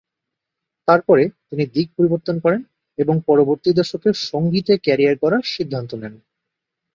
তারপরে তিনি দিক পরিবর্তন করেন এবং পরবর্তী দশকে সঙ্গীতে ক্যারিয়ার গড়ার সিদ্ধান্ত নেন।